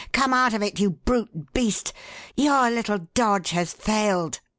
Come out of it, you brute beast! Your little dodge has failed!"